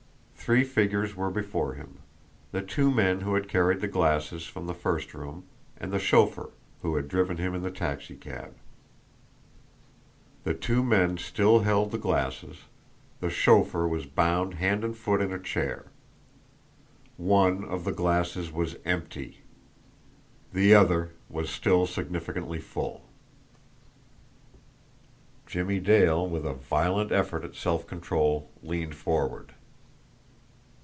Three figures were before him: the two men who had carried the glasses from the first room, and the chauffeur who had driven him in the taxicab. The two men still held the glasses the chauffeur was bound hand and foot in a chair. One of the glasses was EMPTY; the other was still significantly full. Jimmie Dale, with a violent effort at self control, leaned forward.